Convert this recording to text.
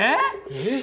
えっ！？